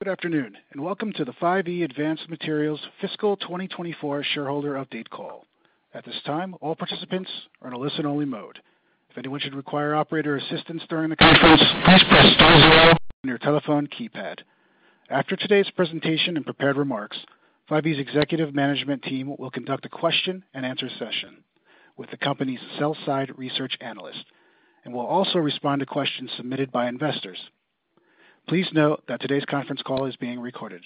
Good afternoon, and welcome to the 5E Advanced Materials Fiscal 2024 Shareholder Update Call. At this time, all participants are in a listen-only mode. If anyone should require operator assistance during the conference, please press star zero on your telephone keypad. After today's presentation and prepared remarks, 5E's executive management team will conduct a question-and-answer session with the company's sell side research analyst and will also respond to questions submitted by investors. Please note that today's conference call is being recorded.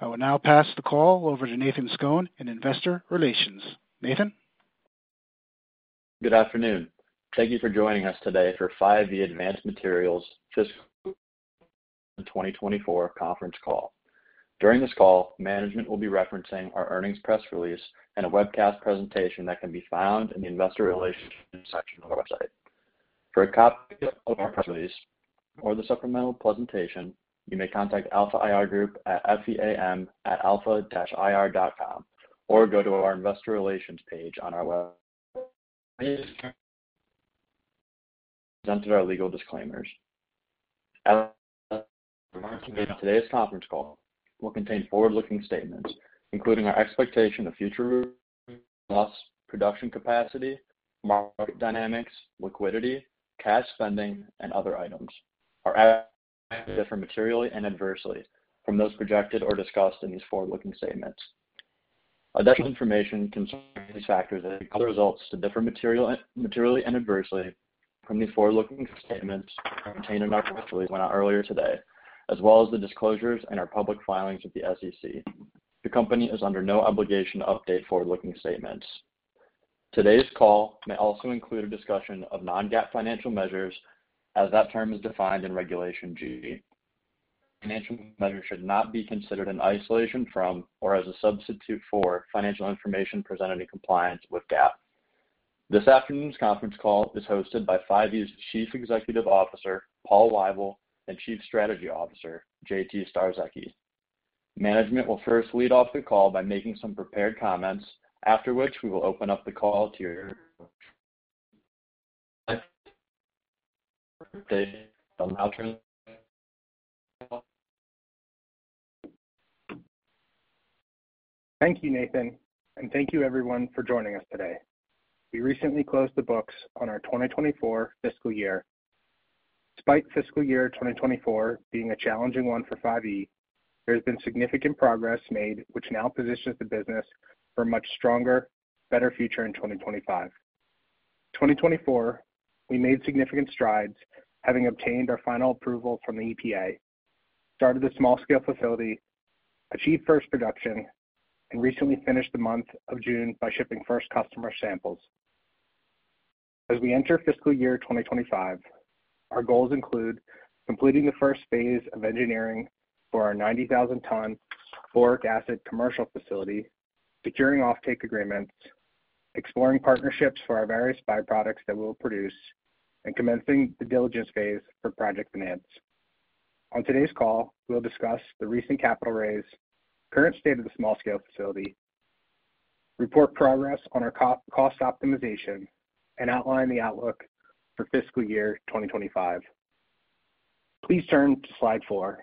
I will now pass the call over to Nathan Skown in Investor Relations. Nathan? Good afternoon. Thank you for joining us today for 5E Advanced Materials Fiscal 2024 conference call. During this call, management will be referencing our earnings press release and a webcast presentation that can be found in the investor relations section of our website. For a copy of our press release or the supplemental presentation, you may contact Alpha IR Group at feam@alpha-ir.com, or go to our investor relations page on our website. Presented our legal disclaimers. Today's conference call will contain forward-looking statements, including our expectation of future loss, production capacity, market dynamics, liquidity, cash spending, and other items. Actual results may differ materially and adversely from those projected or discussed in these forward-looking statements. Additional information concerning these factors that could cause results to differ materially and adversely from these forward-looking statements are contained in our press release went out earlier today, as well as the disclosures and our public filings with the SEC. The company is under no obligation to update forward-looking statements. Today's call may also include a discussion of non-GAAP financial measures, as that term is defined in Regulation G. Financial measures should not be considered in isolation from or as a substitute for financial information presented in compliance with GAAP. This afternoon's conference call is hosted by 5E's Chief Executive Officer, Paul Weibel, and Chief Strategy Officer, J.T. Starzecki. Management will first lead off the call by making some prepared comments, after which we will open up the call to your Thank you, Nathan, and thank you everyone for joining us today. We recently closed the books on our 2024 fiscal year. Despite fiscal year 2024 being a challenging one for 5E, there has been significant progress made, which now positions the business for a much stronger, better future in 2025. 2024, we made significant strides, having obtained our final approval from the EPA, started the small scale facility, achieved first production, and recently finished the month of June by shipping first customer samples. As we enter fiscal year 2025, our goals include completing the first phase of engineering for our 90,000-ton boric acid commercial facility, securing offtake agreements, exploring partnerships for our various byproducts that we'll produce, and commencing the diligence phase for project finance. On today's call, we'll discuss the recent capital raise, current state of the small scale facility, report progress on our cost optimization, and outline the outlook for fiscal year 2025. Please turn to slide 4.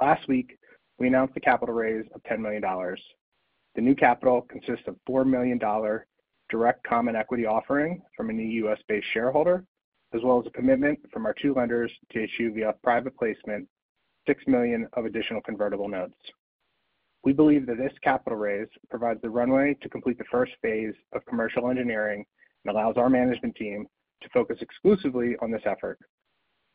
Last week, we announced a capital raise of $10 million. The new capital consists of $4 million direct common equity offering from a new U.S.-based shareholder, as well as a commitment from our two lenders to issue via private placement $6 million of additional convertible notes. We believe that this capital raise provides the runway to complete the first phase of commercial engineering and allows our management team to focus exclusively on this effort.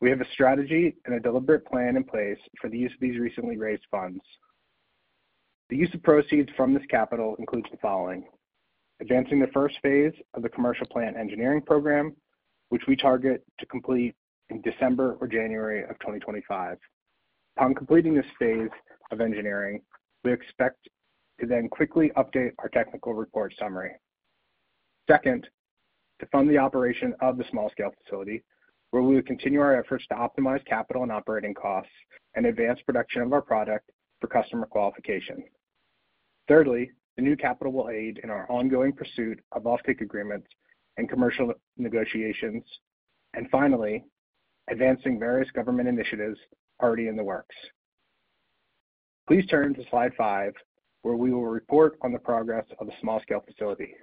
We have a strategy and a deliberate plan in place for the use of these recently raised funds. The use of proceeds from this capital includes the following: Advancing the first phase of the commercial plant engineering program, which we target to complete in December or January of twenty twenty-five. Upon completing this phase of engineering, we expect to then quickly update our technical report summary. Second, to fund the operation of the small scale facility, where we will continue our efforts to optimize capital and operating costs and advance production of our product for customer qualification. Thirdly, the new capital will aid in our ongoing pursuit of offtake agreements and commercial negotiations. And finally, advancing various government initiatives already in the works. Please turn to slide five, where we will report on the progress of the small scale facility.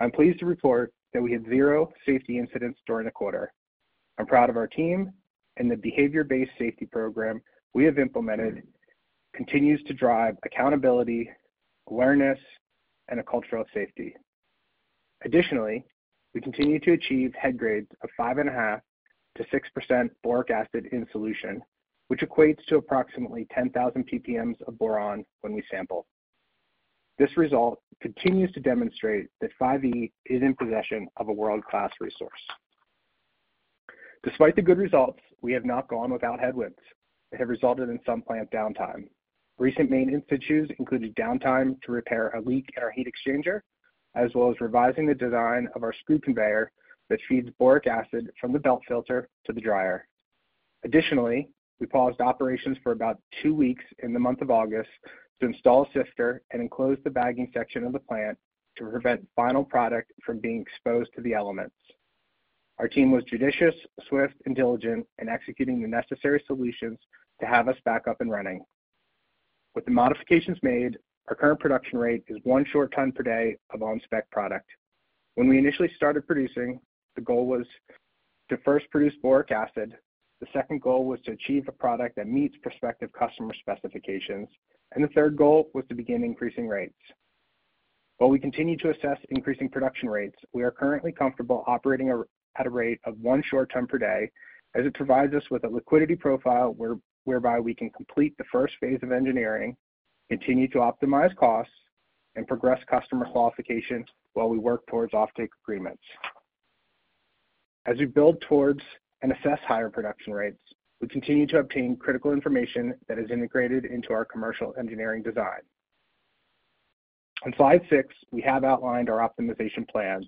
I'm pleased to report that we had zero safety incidents during the quarter. I'm proud of our team, and the behavior-based safety program we have implemented continues to drive accountability, awareness, and a culture of safety. Additionally, we continue to achieve head grades of 5.5%-6% boric acid in solution, which equates to approximately 10,000 ppm of boron when we sample. This result continues to demonstrate that 5E is in possession of a world-class resource. Despite the good results, we have not gone without headwinds that have resulted in some plant downtime. Recent maintenance issues included downtime to repair a leak in our heat exchanger, as well as revising the design of our screw conveyor that feeds boric acid from the belt filter to the dryer. Additionally, we paused operations for about two weeks in the month of August to install a sifter and enclose the bagging section of the plant. to prevent final product from being exposed to the elements. Our team was judicious, swift, and diligent in executing the necessary solutions to have us back up and running. With the modifications made, our current production rate is one short ton per day of on-spec product. When we initially started producing, the goal was to first produce boric acid. The second goal was to achieve a product that meets prospective customer specifications, and the third goal was to begin increasing rates. While we continue to assess increasing production rates, we are currently comfortable operating at a rate of one short ton per day, as it provides us with a liquidity profile whereby we can complete the first phase of engineering, continue to optimize costs, and progress customer qualifications while we work towards offtake agreements. As we build towards and assess higher production rates, we continue to obtain critical information that is integrated into our commercial engineering design. On slide six, we have outlined our optimization plans.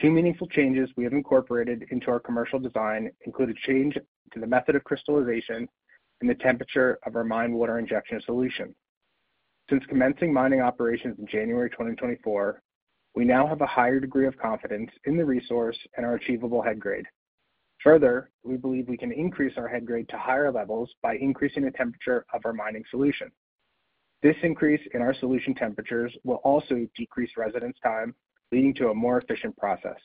Two meaningful changes we have incorporated into our commercial design include a change to the method of crystallization and the temperature of our mine water injection solution. Since commencing mining operations in January twenty twenty-four, we now have a higher degree of confidence in the resource and our achievable head grade. Further, we believe we can increase our head grade to higher levels by increasing the temperature of our mining solution. This increase in our solution temperatures will also decrease residence time, leading to a more efficient process.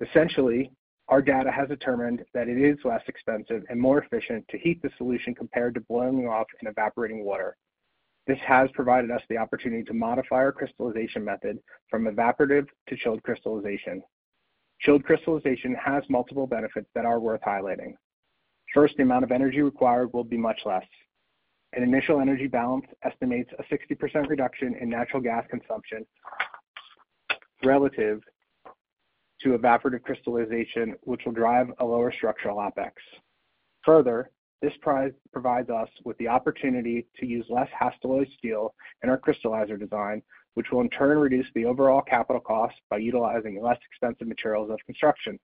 Essentially, our data has determined that it is less expensive and more efficient to heat the solution compared to blowing off and evaporating water. This has provided us the opportunity to modify our crystallization method from evaporative to chilled crystallization. Chilled crystallization has multiple benefits that are worth highlighting. First, the amount of energy required will be much less. An initial energy balance estimates a 60% reduction in natural gas consumption relative to evaporative crystallization, which will drive a lower structural OpEx. Further, this process provides us with the opportunity to use less Hastelloy steel in our crystallizer design, which will in turn reduce the overall capital costs by utilizing less expensive materials of construction.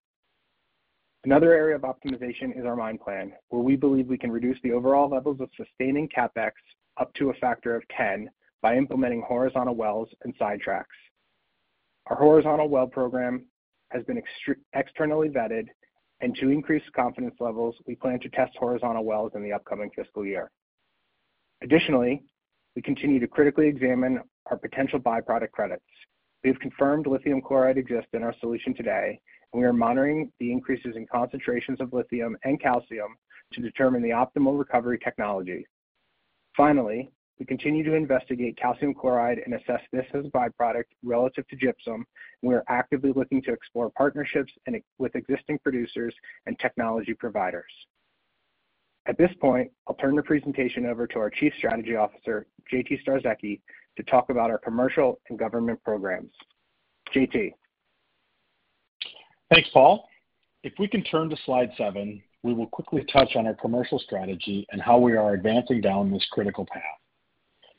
Another area of optimization is our mine plan, where we believe we can reduce the overall levels of sustaining CapEx up to a factor of 10 by implementing horizontal wells and sidetracks. Our horizontal well program has been externally vetted, and to increase confidence levels, we plan to test horizontal wells in the upcoming fiscal year. Additionally, we continue to critically examine our potential byproduct credits. We have confirmed lithium chloride exists in our solution today, and we are monitoring the increases in concentrations of lithium and calcium to determine the optimal recovery technology. Finally, we continue to investigate calcium chloride and assess this as a byproduct relative to gypsum, and we are actively looking to explore partnerships with existing producers and technology providers. At this point, I'll turn the presentation over to our Chief Strategy Officer, J.T. Starzecki, to talk about our commercial and government programs. J.T.? Thanks, Paul. If we can turn to slide seven, we will quickly touch on our commercial strategy and how we are advancing down this critical path.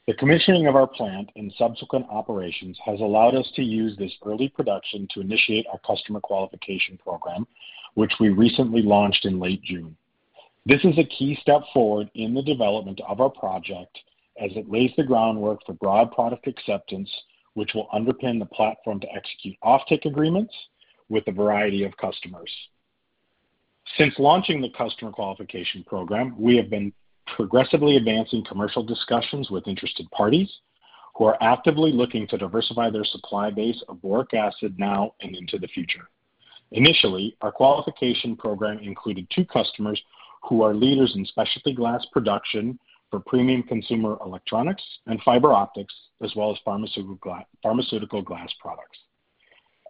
The commissioning of our plant and subsequent operations has allowed us to use this early production to initiate our customer qualification program, which we recently launched in late June. This is a key step forward in the development of our project as it lays the groundwork for broad product acceptance, which will underpin the platform to execute offtake agreements with a variety of customers. Since launching the customer qualification program, we have been progressively advancing commercial discussions with interested parties who are actively looking to diversify their supply base of boric acid now and into the future. Initially, our qualification program included two customers who are leaders in specialty glass production for premium consumer electronics and fiber optics, as well as pharmaceutical glass products.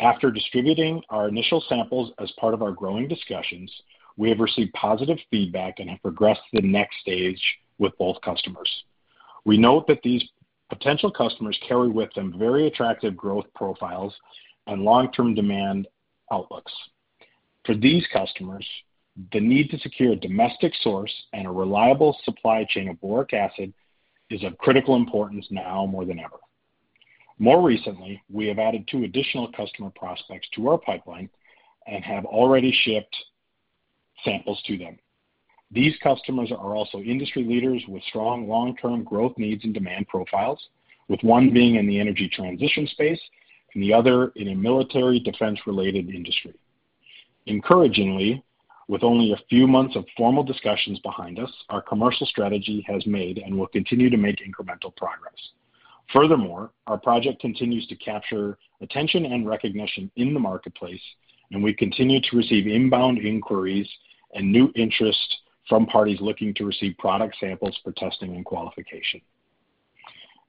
After distributing our initial samples as part of our growing discussions, we have received positive feedback and have progressed to the next stage with both customers. We note that these potential customers carry with them very attractive growth profiles and long-term demand outlooks. For these customers, the need to secure a domestic source and a reliable supply chain of boric acid is of critical importance now more than ever. More recently, we have added two additional customer prospects to our pipeline and have already shipped samples to them. These customers are also industry leaders with strong long-term growth needs and demand profiles, with one being in the energy transition space and the other in a military defense-related industry. Encouragingly, with only a few months of formal discussions behind us, our commercial strategy has made and will continue to make incremental progress. Furthermore, our project continues to capture attention and recognition in the marketplace, and we continue to receive inbound inquiries and new interest from parties looking to receive product samples for testing and qualification.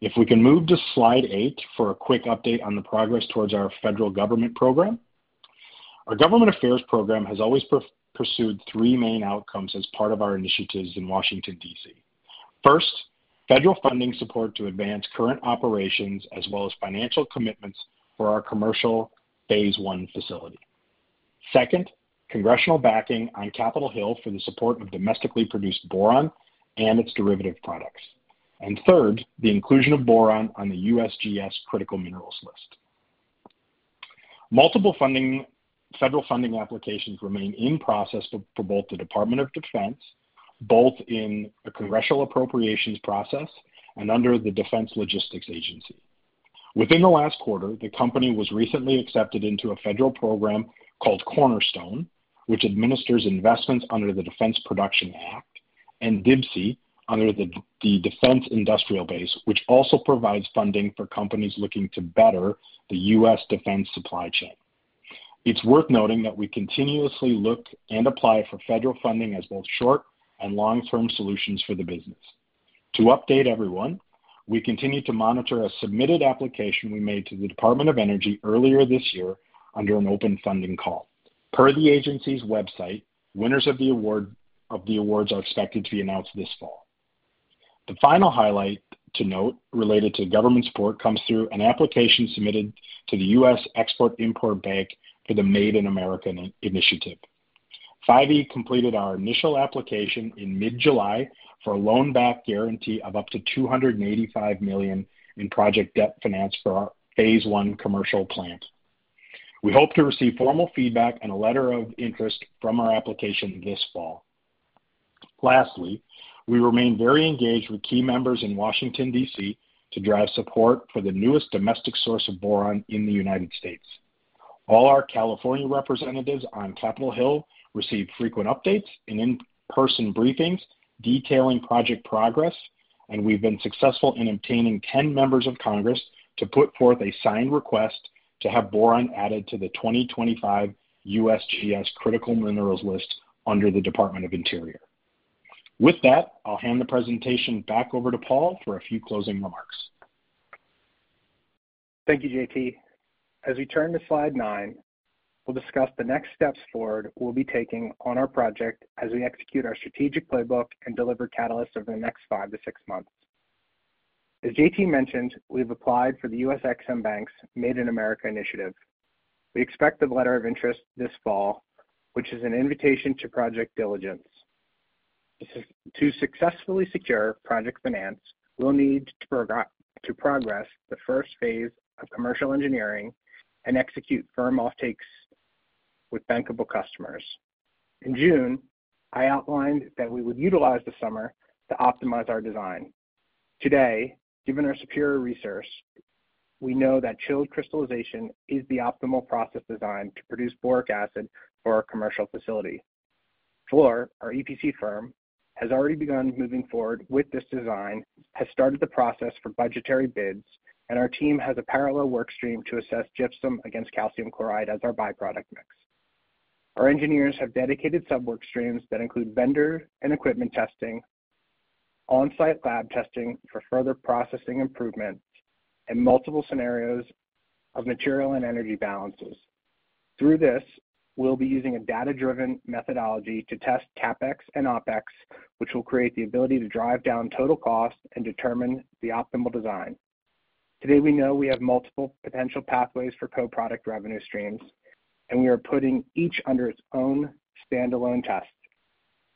If we can move to slide eight for a quick update on the progress towards our federal government program. Our government affairs program has always pursued three main outcomes as part of our initiatives in Washington, D.C. First, federal funding support to advance current operations, as well as financial commitments for our commercial phase I facility. Second, congressional backing on Capitol Hill for the support of domestically produced boron and its derivative products. And third, the inclusion of boron on the USGS critical minerals list. Multiple federal funding applications remain in process for both the Department of Defense, both in the congressional appropriations process and under the Defense Logistics Agency. Within the last quarter, the company was recently accepted into a federal program called Cornerstone, which administers investments under the Defense Production Act, and DIB, under the Defense Industrial Base, which also provides funding for companies looking to better the U.S. defense supply chain. It's worth noting that we continuously look and apply for federal funding as both short and long-term solutions for the business. To update everyone, we continue to monitor a submitted application we made to the Department of Energy earlier this year under an open funding call. Per the agency's website, winners of the awards are expected to be announced this fall. The final highlight to note related to government support comes through an application submitted to the U.S. Export-Import Bank for the Made in America initiative. 5E completed our initial application in mid-July for a loan guarantee of up to $285 million in project debt finance for our phase I commercial plant. We hope to receive formal feedback and a letter of interest from our application this fall. Lastly, we remain very engaged with key members in Washington, D.C., to drive support for the newest domestic source of boron in the United States. All our California representatives on Capitol Hill receive frequent updates and in-person briefings detailing project progress, and we've been successful in obtaining 10 members of Congress to put forth a signed request to have boron added to the 2025 USGS critical minerals list under the Department of the Interior. With that, I'll hand the presentation back over to Paul for a few closing remarks. Thank you, J.T.. As we turn to slide nine, we'll discuss the next steps forward we'll be taking on our project as we execute our strategic playbook and deliver catalysts over the next five to six months. As J.T. mentioned, we've applied for the EXIM Bank's Made in America initiative. We expect the letter of interest this fall, which is an invitation to project diligence. To successfully secure project finance, we'll need to progress the first phase of commercial engineering and execute firm offtakes with bankable customers. In June, I outlined that we would utilize the summer to optimize our design. Today, given our superior research, we know that chilled crystallization is the optimal process design to produce boric acid for our commercial facility. Fluor, our EPC firm, has already begun moving forward with this design, has started the process for budgetary bids, and our team has a parallel work stream to assess gypsum against calcium chloride as our byproduct mix. Our engineers have dedicated sub-work streams that include vendor and equipment testing, on-site lab testing for further processing improvement, and multiple scenarios of material and energy balances. Through this, we'll be using a data-driven methodology to test CapEx and OpEx, which will create the ability to drive down total cost and determine the optimal design. Today, we know we have multiple potential pathways for co-product revenue streams, and we are putting each under its own standalone test.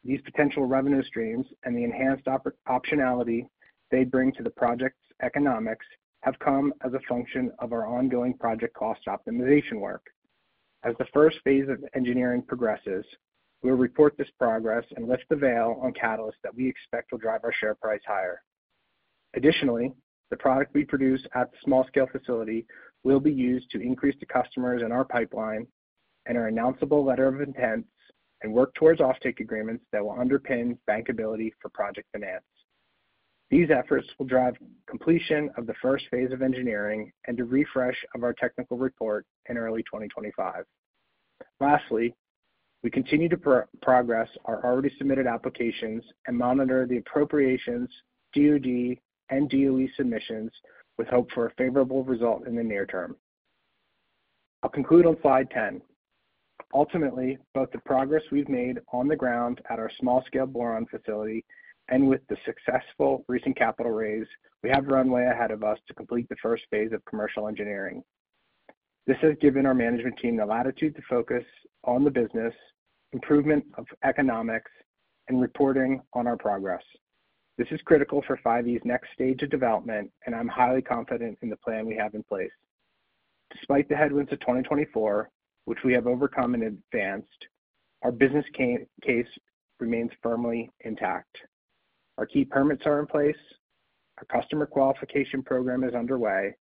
These potential revenue streams and the enhanced operational optionality they bring to the project's economics have come as a function of our ongoing project cost optimization work. As the first phase of engineering progresses, we'll report this progress and lift the veil on catalysts that we expect will drive our share price higher. Additionally, the product we produce at the small scale facility will be used to increase the customers in our pipeline and our announceable letter of intents, and work towards offtake agreements that will underpin bankability for project finance. These efforts will drive completion of the first phase of engineering and a refresh of our technical report in early twenty twenty-five. Lastly, we continue to progress our already submitted applications and monitor the appropriations, DoD, and DOE submissions with hope for a favorable result in the near term. I'll conclude on slide ten. Ultimately, both the progress we've made on the ground at our small scale boron facility and with the successful recent capital raise, we have runway ahead of us to complete the first phase of commercial engineering. This has given our management team the latitude to focus on the business, improvement of economics, and reporting on our progress. This is critical for 5E's next stage of development, and I'm highly confident in the plan we have in place. Despite the headwinds of twenty twenty-four, which we have overcome and advanced, our business case remains firmly intact. Our key permits are in place, our customer qualification program is underway,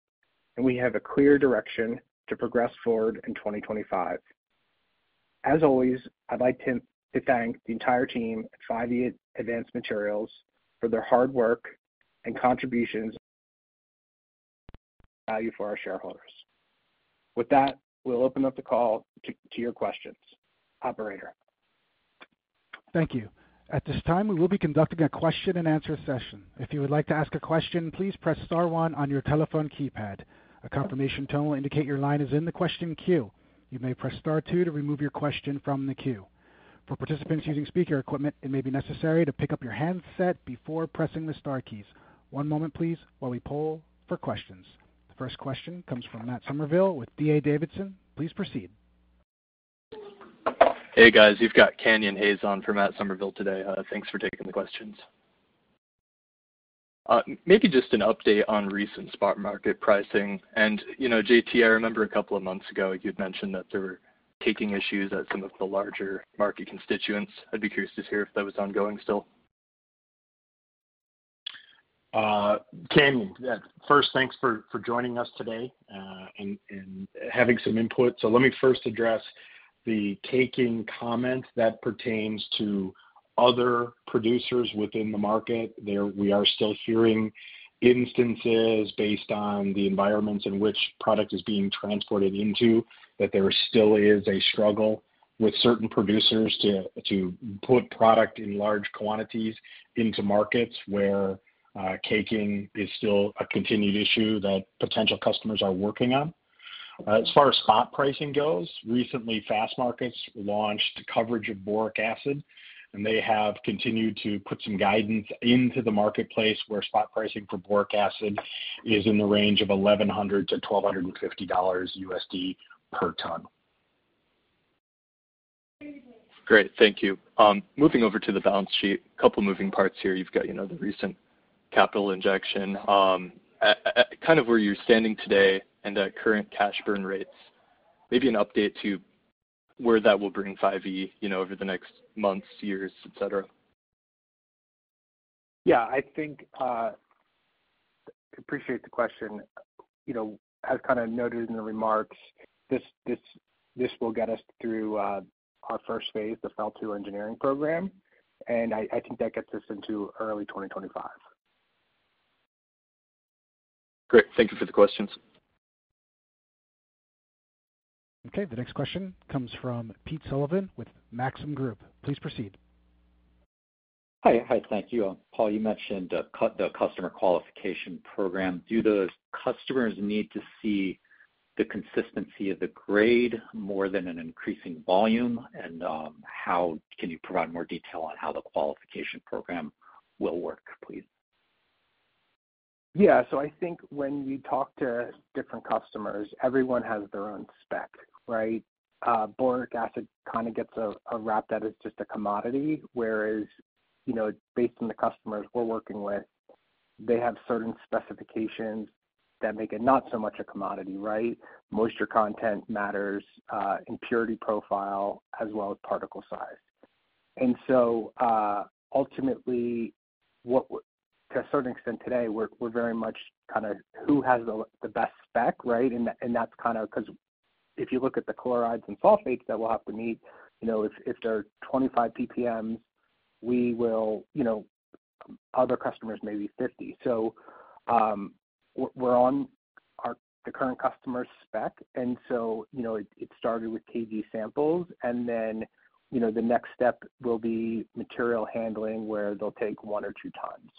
and we have a clear direction to progress forward in twenty twenty-five. As always, I'd like to thank the entire team at 5E Advanced Materials for their hard work and contributions, value for our shareholders. With that, we'll open up the call to your questions. Operator? Thank you. At this time, we will be conducting a question-and-answer session. If you would like to ask a question, please press star one on your telephone keypad. A confirmation tone will indicate your line is in the question queue. You may press star two to remove your question from the queue. For participants using speaker equipment, it may be necessary to pick up your handset before pressing the star keys. One moment please while we poll for questions. The first question comes from Matt Summerville with D.A. Davidson. Please proceed. Hey, guys, you've got Canyon Hayes on for Matt Summerville today. Thanks for taking the questions. Maybe just an update on recent spot market pricing. And, you know, J.T., I remember a couple of months ago, you'd mentioned that there were tailings issues at some of the larger market constituents. I'd be curious to hear if that was ongoing still. Canyon, yeah, first, thanks for joining us today and having some input. So let me first address the caking comment that pertains to other producers within the market. We are still hearing instances based on the environments in which product is being transported into, that there still is a struggle with certain producers to put product in large quantities into markets where caking is still a continued issue that potential customers are working on. As far as spot pricing goes, recently, Fastmarkets launched coverage of boric acid, and they have continued to put some guidance into the marketplace, where spot pricing for boric acid is in the range of $1,100-$1,250 per ton. Great. Thank you. Moving over to the balance sheet, a couple moving parts here. You've got, you know, the recent capital injection. Kind of where you're standing today and that current cash burn rates, maybe an update to where that will bring 5E, you know, over the next months, years, et cetera. Yeah, I think, appreciate the question. You know, as kind of noted in the remarks, this will get us through our first phase, the FEL 2 engineering program, and I think that gets us into early twenty twenty-five. Great. Thank you for the questions. Okay. The next question comes from Tate Sullivan with Maxim Group. Please proceed. Hi. Hi, thank you. Paul, you mentioned the customer qualification program. Do those customers need to see the consistency of the grade more than an increasing volume? And, how can you provide more detail on how the qualification program will work, please? Yeah. So I think when you talk to different customers, everyone has their own spec, right? Boric acid kind of gets a wrap that it's just a commodity, whereas, you know, based on the customers we're working with, they have certain specifications that make it not so much a commodity, right? Moisture content matters, impurity profile, as well as particle size. And so, ultimately, to a certain extent, today, we're very much kind of who has the best spec, right? And that's kind of because if you look at the chlorides and sulfates that we'll have to meet, you know, if they're twenty-five PPM, we will, you know, other customers may be fifty. We're on the current customer spec, and so, you know, it started with KG samples, and then, you know, the next step will be material handling, where they'll take one or two tons,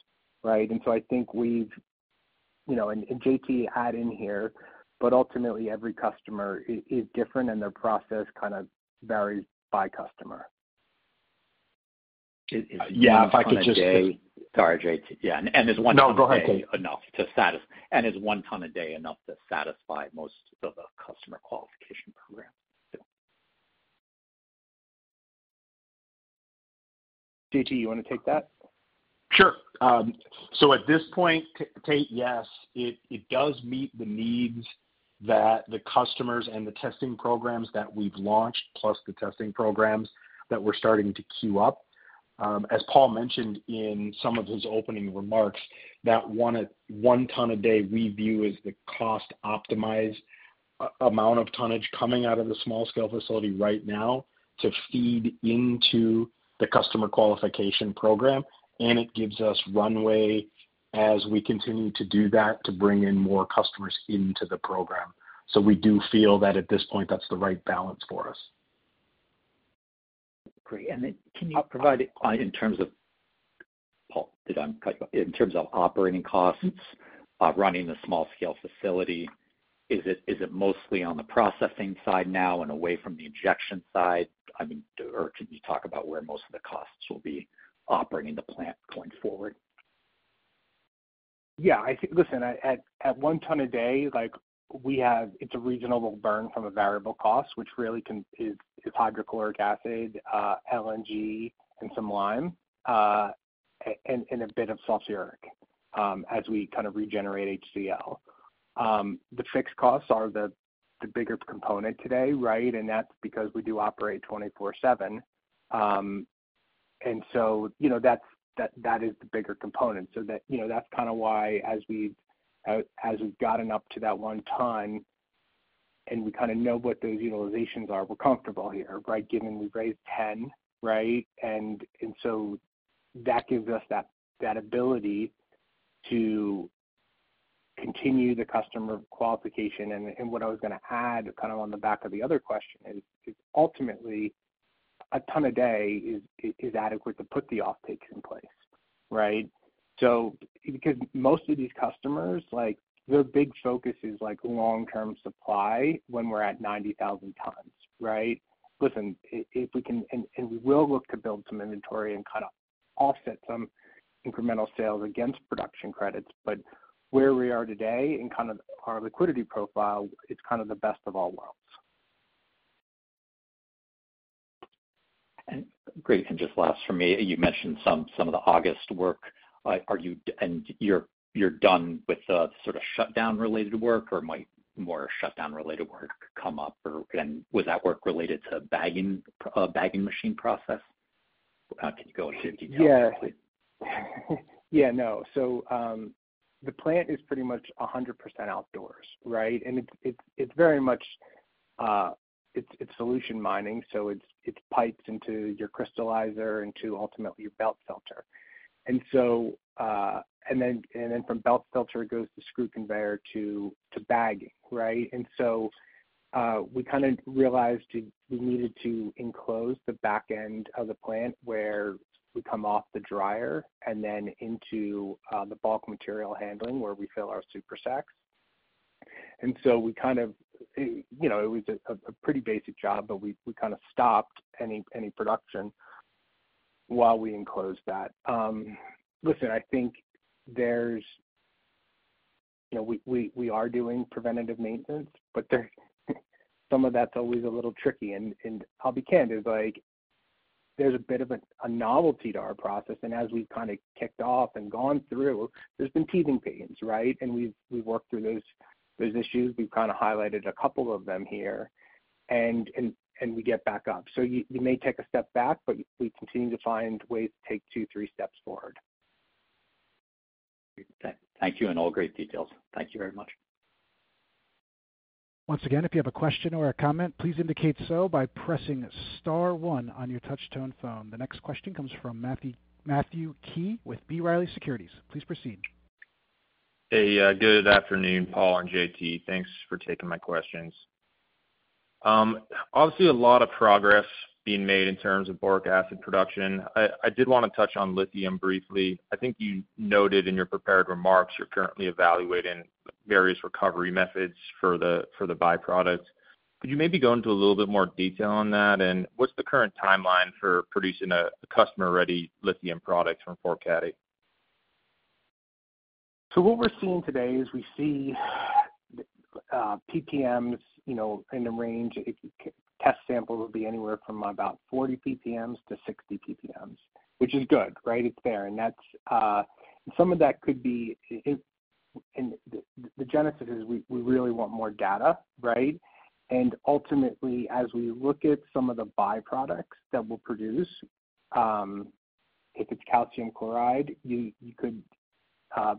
right? And so I think we've, you know, and J.T. had in here, but ultimately, every customer is different, and their process kind of varies by customer. Sorry, J.T. Yeah, and is one ton a day? No, go ahead, Tate. Enough to satisfy? And is one ton a day enough to satisfy most of the customer qualification program? J.T., you want to take that? Sure. So at this point, Tate, yes, it does meet the needs that the customers and the testing programs that we've launched, plus the testing programs that we're starting to queue up. As Paul mentioned in some of his opening remarks, that one ton a day, we view as the cost optimized amount of tonnage coming out of the small-scale facility right now to feed into the customer qualification program, and it gives us runway as we continue to do that, to bring in more customers into the program. So we do feel that at this point, that's the right balance for us. Great. And then can you provide in terms of Paul, did I cut you? In terms of operating costs, running the small scale facility, is it mostly on the processing side now and away from the injection side? I mean, or can you talk about where most of the costs will be operating the plant going forward? Yeah, I think. Listen, at one ton a day, like we have, it's a reasonable burn from a variable cost, which really is hydrochloric acid, LNG and some lime, and a bit of sulfuric, as we kind of regenerate HCl. The fixed costs are the bigger component today, right? And that's because we do operate 24/7. And so, you know, that's the bigger component. So that, you know, that's kind of why, as we've gotten up to that one ton and we kind of know what those utilizations are, we're comfortable here, right? Given we raised ten, right? And so that gives us that ability to continue the customer qualification. What I was gonna add, kind of on the back of the other question is ultimately a ton a day is adequate to put the offtakes in place, right? Because most of these customers, like, their big focus is, like, long-term supply when we're at ninety thousand tons, right? Listen, if we can and we will look to build some inventory and offset some incremental sales against production credits. But where we are today, in kind of our liquidity profile, it's kind of the best of all worlds. Great, and just last for me, you mentioned some of the August work. Are you done with the sort of shutdown related work, or might more shutdown related work come up, or and was that work related to bagging machine process? Can you go into detail? Yeah. Yeah, no. So, the plant is pretty much 100% outdoors, right? And it's very much solution mining, so it's pipes into your crystallizer into ultimately your belt filter. And so, and then from belt filter, it goes to screw conveyor to bagging, right? And so, we kind of realized we needed to enclose the back end of the plant where we come off the dryer and then into the bulk material handling, where we fill our Super Sacks. And so we kind of, you know, it was a pretty basic job, but we kind of stopped any production while we enclosed that. Listen, I think there's. You know, we are doing preventative maintenance, but there some of that's always a little tricky, and I'll be candid, like, there's a bit of a novelty to our process, and as we've kind of kicked off and gone through, there's been teething pains, right, and we've worked through those issues. We've kind of highlighted a couple of them here, and we get back up, so you may take a step back, but we continue to find ways to take two, three steps forward. Great. Thank you, and all great details. Thank you very much. Once again, if you have a question or a comment, please indicate so by pressing star one on your touchtone phone. The next question comes from Matthew Key with B. Riley Securities. Please proceed. Hey, good afternoon, Paul and J.T. Thanks for taking my questions. Obviously a lot of progress being made in terms of boric acid production. I did wanna touch on lithium briefly. I think you noted in your prepared remarks, you're currently evaluating various recovery methods for the byproducts. Could you maybe go into a little bit more detail on that? And what's the current timeline for producing a customer-ready lithium product from Fort Cady? So what we're seeing today is we see ppm, you know, in the range. In the current test sample will be anywhere from about 40 ppm-60 ppm, which is good, right? It's there. And that's some of that could be it, and the genesis is we really want more data, right? And ultimately, as we look at some of the byproducts that we'll produce, if it's calcium chloride, you could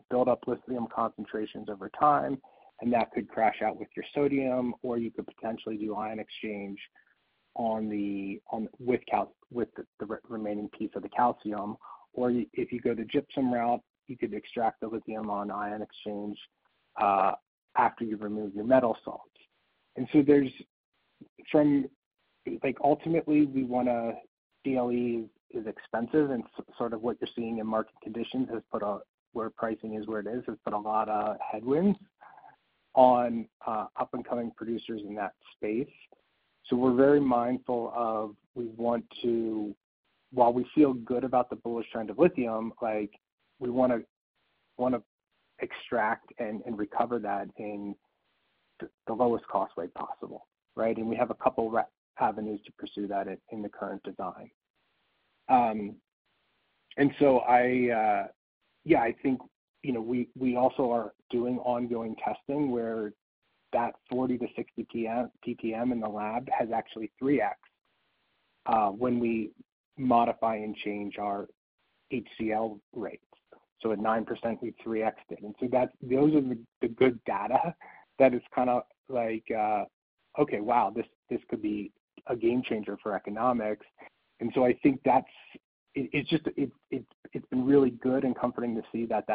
build up lithium concentrations over time, and that could crash out with your sodium, or you could potentially do ion exchange on the, on with the remaining piece of the calcium. Or if you go the gypsum route, you could extract the lithium on ion exchange after you've removed your metal salts. And so there's, from. Like, ultimately, we wanna DOE is expensive, and sort of what you're seeing in market conditions has put a, where pricing is where it is, has put a lot of headwinds on up-and-coming producers in that space. So we're very mindful of, we want to, while we feel good about the bullish trend of lithium, like, we wanna extract and recover that in the lowest cost way possible, right? And we have a couple avenues to pursue that in the current design. And so I yeah, I think, you know, we also are doing ongoing testing, where that 40-60 ppm in the lab has actually 3X'd when we modify and change our HCl rates. So at 9%, we've 3x'd it. And so that's those are the good data that it's kind of like, okay, wow, this could be a game changer for economics. And so I think that's it. It's just it's been really good and comforting to see that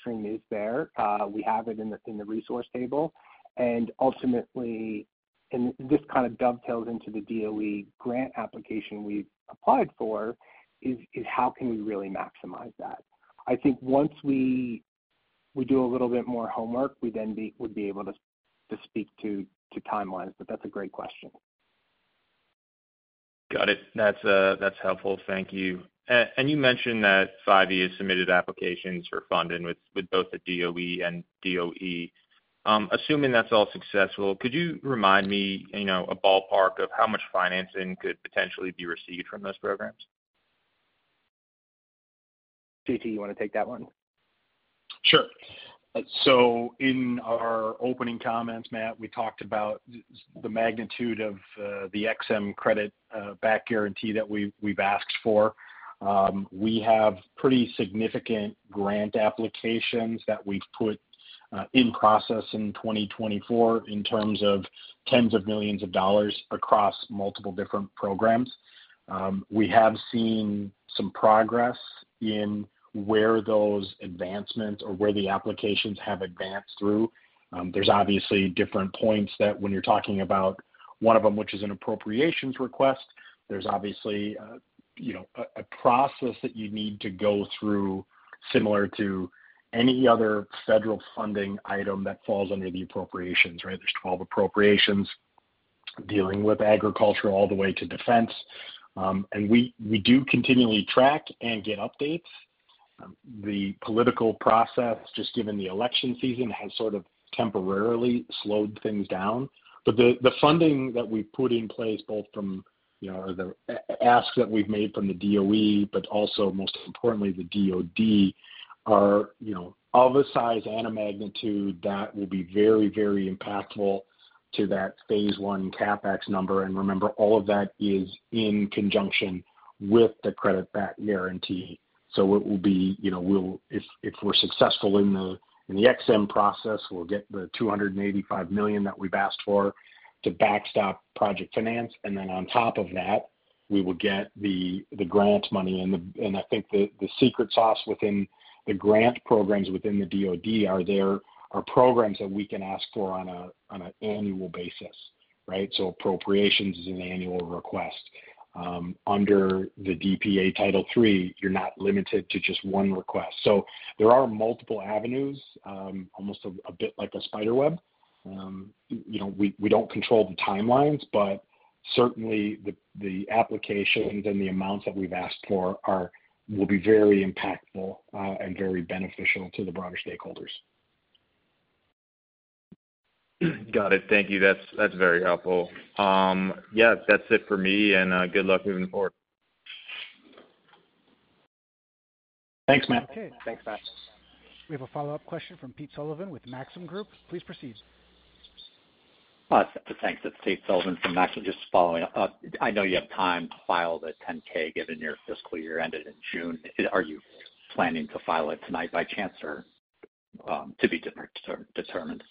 string is there. We have it in the resource table, and ultimately and this kind of dovetails into the DOE grant application we've applied for is how can we really maximize that? I think once we do a little bit more homework, we then would be able to speak to timelines, but that's a great question. Got it. That's helpful. Thank you, and you mentioned that 5E has submitted applications for funding with both the DOE and DOI. Assuming that's all successful, could you remind me, you know, a ballpark of how much financing could potentially be received from those programs? J.T., you wanna take that one? Sure. So in our opening comments, Matt, we talked about the magnitude of the EXIM loan guarantee that we've asked for. We have pretty significant grant applications that we've put in process in twenty twenty-four, in terms of tens of millions of dollars across multiple different programs. We have seen some progress in where those advancements or where the applications have advanced through. There's obviously different points that when you're talking about one of them, which is an appropriations request, there's obviously a you know a process that you need to go through, similar to any other federal funding item that falls under the appropriations, right? There's 12 appropriations dealing with agriculture all the way to defense. And we do continually track and get updates. The political process, just given the election season, has sort of temporarily slowed things down. But the funding that we've put in place, both from, you know, the ask that we've made from the DOE, but also most importantly, the DoD, are, you know, of a size and a magnitude that will be very, very impactful to that phase I CapEx number. And remember, all of that is in conjunction with the credit backstop guarantee. So it will be, you know, we'll if, if we're successful in the, in the EXIM process, we'll get the $285 million that we've asked for to backstop project finance. And then on top of that, we will get the grant money. I think the secret sauce within the grant programs within the DoD is that there are programs that we can ask for on an annual basis, right? So appropriations is an annual request. Under the DPA Title III, you're not limited to just one request. So there are multiple avenues, almost a bit like a spiderweb. You know, we don't control the timelines, but certainly the applications and the amounts that we've asked for will be very impactful and very beneficial to the broader stakeholders. Got it. Thank you. That's, that's very helpful. Yeah, that's it for me, and good luck moving forward. Thanks, Matt. Okay. Thanks, Matt. We have a follow-up question from Tate Sullivan with Maxim Group. Please proceed. Thanks. It's Tate Sullivan from Maxim, just following up. I know you have time to file the 10-K, given your fiscal year ended in June. Are you planning to file it tonight by chance or to be determined?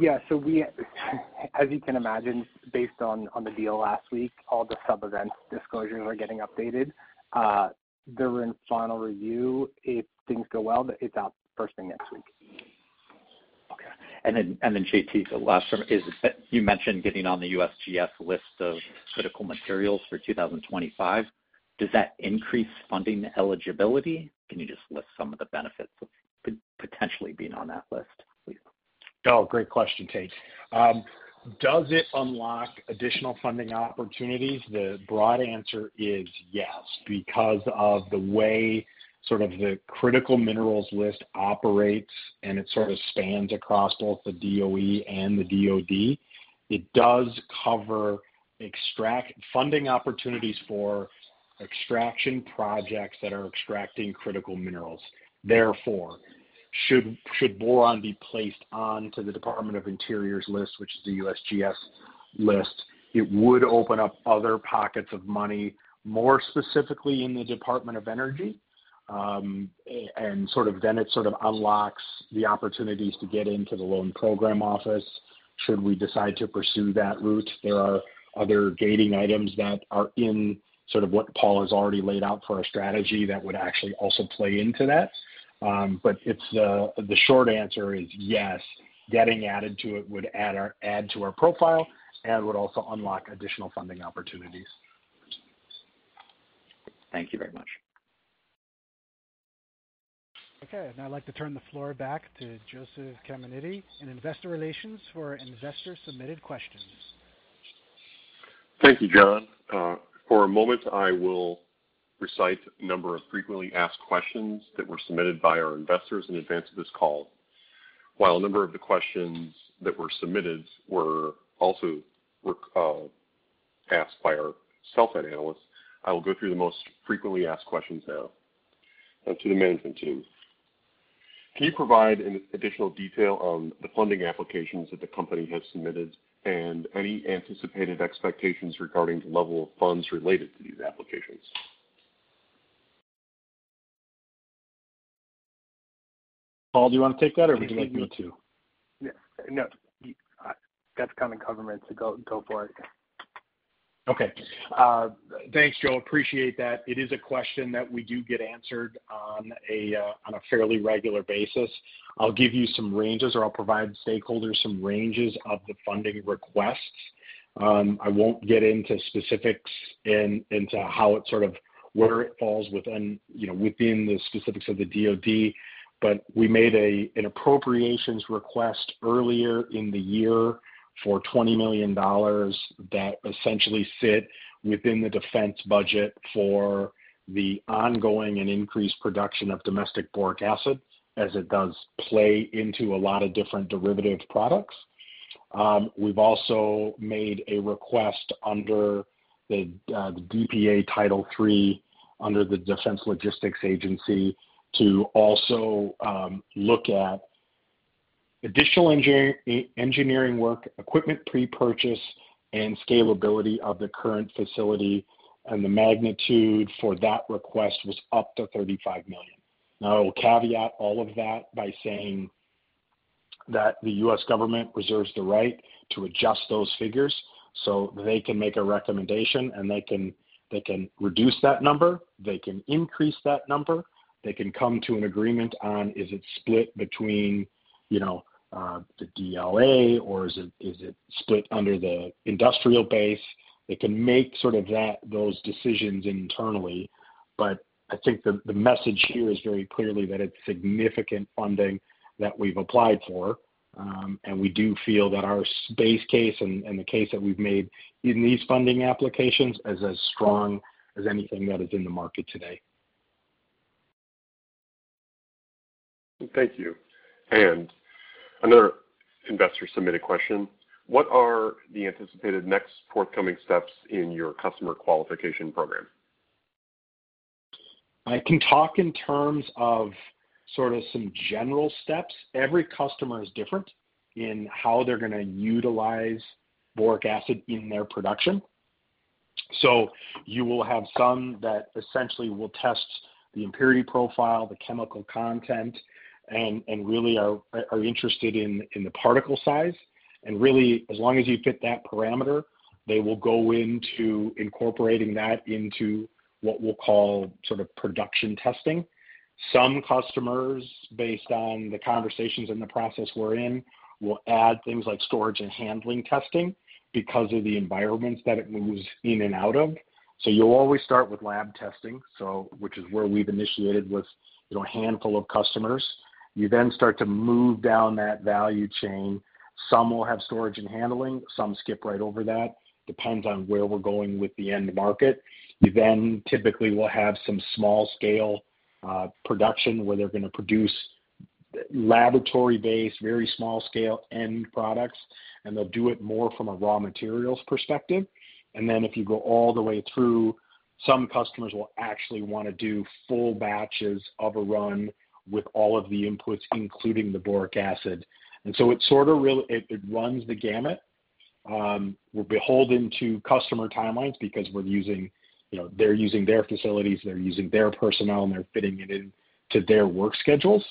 Yeah, so we, as you can imagine, based on, on the deal last week, all the sub-event disclosures are getting updated. They're in final review. If things go well, it's out first thing next week. Okay. And then J.T., the last one is, you mentioned getting on the USGS list of critical materials for 2025. Does that increase funding eligibility? Can you just list some of the benefits of potentially being on that list, please? Oh, great question, Tate. Does it unlock additional funding opportunities? The broad answer is yes, because of the way sort of the critical minerals list operates, and it sort of spans across both the DOE and the DoD. It does cover extraction funding opportunities for extraction projects that are extracting critical minerals. Therefore, should boron be placed onto the Department of the Interior's list, which is the USGS list, it would open up other pockets of money, more specifically in the Department of Energy. And sort of then it sort of unlocks the opportunities to get into the loan program office, should we decide to pursue that route. There are other gating items that are in sort of what Paul has already laid out for our strategy that would actually also play into that. But it's the short answer is yes. Getting added to it would add to our profile and would also unlock additional funding opportunities. Thank you very much. Okay, now, I'd like to turn the floor back to Joseph Caminiti in Investor Relations for investor-submitted questions. Thank you, John. For a moment, I will recite a number of frequently asked questions that were submitted by our investors in advance of this call. While a number of the questions that were submitted were also re-asked by our sell-side analysts, I will go through the most frequently asked questions now to the management team. Can you provide an additional detail on the funding applications that the company has submitted and any anticipated expectations regarding the level of funds related to these applications? Paul, do you want to take that, or would you like me to? Yeah. No, you, that's coming in government, so go, go for it. Okay. Thanks, Joe. Appreciate that. It is a question that we do get answered on a fairly regular basis. I'll give you some ranges, or I'll provide stakeholders some ranges of the funding requests. I won't get into specifics and into how it sort of where it falls within, you know, within the specifics of the DoD, but we made an appropriations request earlier in the year for $20 million that essentially fit within the defense budget for the ongoing and increased production of domestic boric acid, as it does play into a lot of different derivative products. We've also made a request under the DPA Title III, under the Defense Logistics Agency, to also look at additional engineering work, equipment pre-purchase, and scalability of the current facility, and the magnitude for that request was up to $35 million. Now, I will caveat all of that by saying that the U.S. government reserves the right to adjust those figures so they can make a recommendation, and they can, they can reduce that number, they can increase that number, they can come to an agreement on, is it split between, you know, the DLA, or is it, is it split under the industrial base? They can make sort of that, those decisions internally. But I think the message here is very clearly that it's significant funding that we've applied for, and we do feel that our use case and the case that we've made in these funding applications is as strong as anything that is in the market today. Thank you. And another investor-submitted question: What are the anticipated next forthcoming steps in your customer qualification program? I can talk in terms of sort of some general steps. Every customer is different in how they're gonna utilize boric acid in their production. So you will have some that essentially will test the impurity profile, the chemical content, and really are interested in the particle size. Really, as long as you fit that parameter, they will go into incorporating that into what we'll call sort of production testing. Some customers, based on the conversations and the process we're in, will add things like storage and handling testing because of the environments that it moves in and out of. So you'll always start with lab testing, so which is where we've initiated with, you know, a handful of customers. You then start to move down that value chain. Some will have storage and handling, some skip right over that, depends on where we're going with the end market. You then typically will have some small scale production, where they're gonna produce laboratory-based, very small scale end products, and they'll do it more from a raw materials perspective. And then if you go all the way through, some customers will actually wanna do full batches of a run with all of the inputs, including the boric acid. And so it sort of runs the gamut. We're beholden to customer timelines because we're using, you know, they're using their facilities, they're using their personnel, and they're fitting it into their work schedules.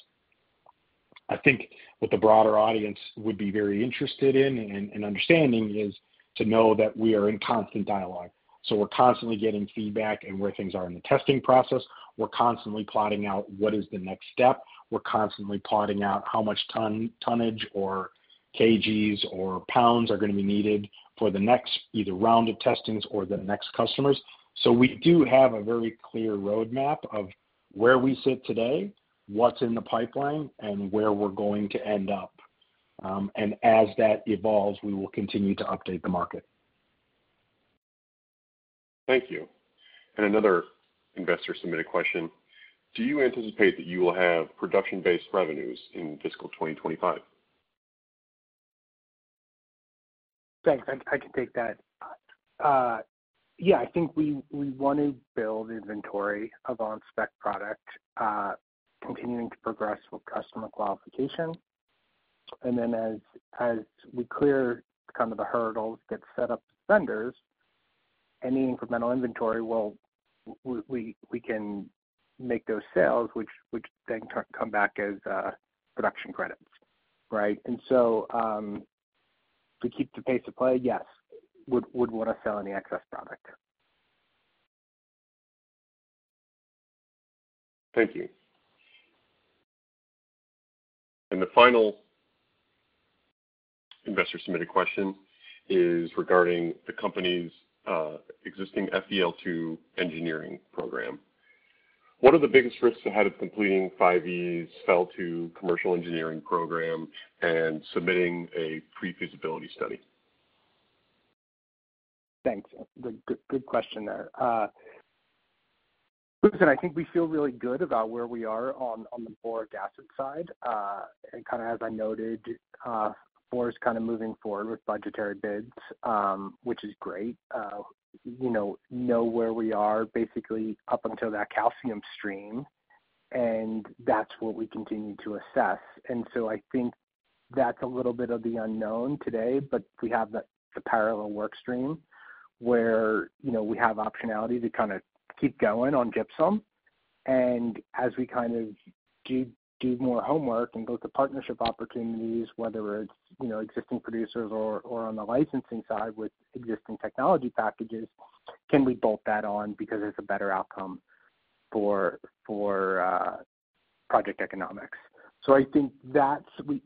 I think what the broader audience would be very interested in and understanding is to know that we are in constant dialogue. So we're constantly getting feedback, and where things are in the testing process. We're constantly plotting out what is the next step. We're constantly plotting out how much tonnage or KGs or pounds are gonna be needed for the next either round of testings or the next customers. So we do have a very clear roadmap of where we sit today, what's in the pipeline, and where we're going to end up, and as that evolves, we will continue to update the market. Thank you. And another investor-submitted question: Do you anticipate that you will have production-based revenues in fiscal 2025? Thanks. I can take that. Yeah, I think we wanna build inventory of on-spec product, continuing to progress with customer qualification. And then as we clear kind of the hurdles, get set up vendors, any incremental inventory will. We can make those sales, which then come back as production credits, right? And so, to keep the pace of play, yes, would wanna sell any excess product. Thank you. And the final investor-submitted question is regarding the company's existing FEL 2 engineering program. What are the biggest risks ahead of completing 5E's FEL 2 commercial engineering program and submitting a pre-feasibility study? Thanks. Good, good, good question there. Listen, I think we feel really good about where we are on the boric acid side, and kind of as I noted, Fluor is kind of moving forward with budgetary bids, which is great. You know, we know where we are basically up until that calcium stream, and that's what we continue to assess, and so I think that's a little bit of the unknown today, but we have the parallel work stream, where, you know, we have optionality to kind of keep going on gypsum, and as we kind of do more homework and look to partnership opportunities, whether it's, you know, existing producers or on the licensing side with existing technology packages, can we bolt that on because it's a better outcome for project economics? So I think that we're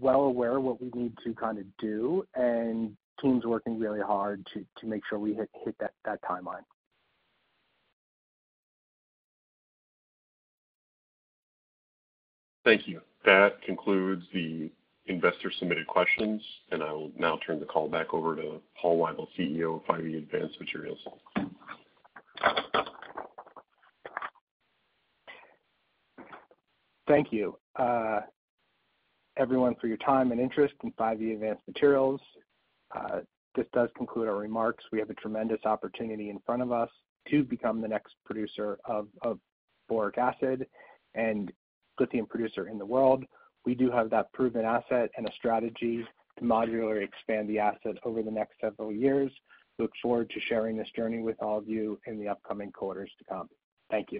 well aware of what we need to kind of do, and teams working really hard to make sure we hit that timeline. Thank you. That concludes the investor-submitted questions, and I will now turn the call back over to Paul Weibel, CEO of 5E Advanced Materials. Thank you, everyone, for your time and interest in 5E Advanced Materials. This does conclude our remarks. We have a tremendous opportunity in front of us to become the next producer of boric acid and lithium producer in the world. We do have that proven asset and a strategy to modularly expand the asset over the next several years. Look forward to sharing this journey with all of you in the upcoming quarters to come. Thank you.